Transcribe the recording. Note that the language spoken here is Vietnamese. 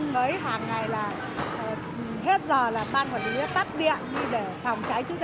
mấy hàng ngày là hết giờ là ban quản lý tắt điện để phòng cháy